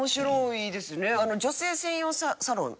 女性専用サロン